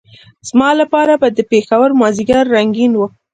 زما لپاره به د پېښور مازدیګر رنګین وو.